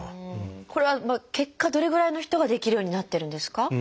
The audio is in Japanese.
これは結果どれぐらいの人ができるようになってるんですか？